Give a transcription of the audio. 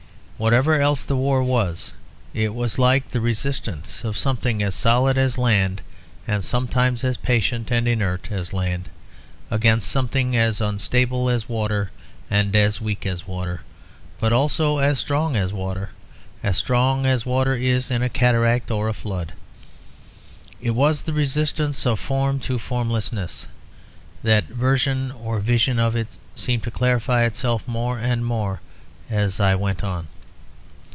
Whatever else the war was, it was like the resistance of something as solid as land, and sometimes as patient and inert as land, against something as unstable as water, as weak as water; but also as strong as water, as strong as water is in a cataract or a flood. It was the resistance of form to formlessness; that version or vision of it seemed to clarify itself more and more as I went on.